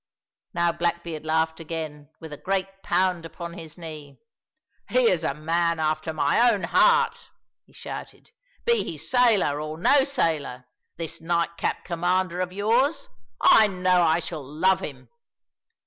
Now Blackbeard laughed again, with a great pound upon his knee. "He is a man after my own heart," he shouted, "be he sailor or no sailor, this nightcap commander of yours. I know I shall love him!"